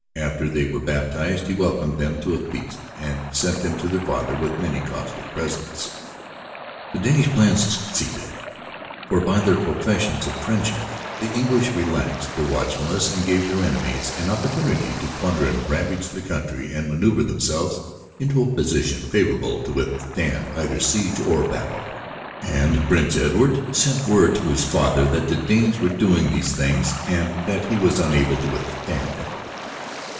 After they were baptized he welcomed them to a feast and sent them to their father with many costly presents. The Danish plan succeeded, for by their professions of friendship the English relaxed their watchfulness and gave their enemies an opportunity to plunder and ravage the country and maneuver themselves into a position favorable to withstand either siege or battle. And Prince Edward sent word to his father that the Danes were doing these things and that he was unable to withstand them.